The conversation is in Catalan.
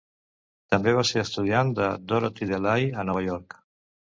També va ser estudiant de Dorothy DeLay a Nova York.